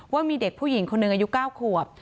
ว่ามีเด็กผู้หญิงคนหนึ่งอายุ๙ขวบ